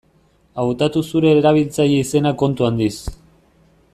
Hautatu zure erabiltzaile-izena kontu handiz.